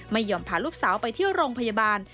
ไม่ยอมพาลูกสาวไปที่โรงพยาบาล